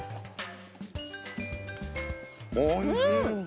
おいしい！